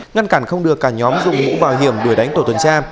ngăn cản không được cả nhóm dùng mũ bảo hiểm đuổi đánh tổ tuần tra